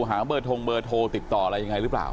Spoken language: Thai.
หาเบอร์ทงเบอร์โทรติดต่ออะไรยังไงหรือเปล่า